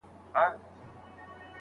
ایا شاګرد له لارښود سره مخالفت کولای سي؟